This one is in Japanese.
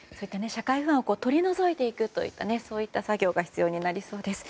社会不安を取り除いていくといったそういった作業が必要になりそうです。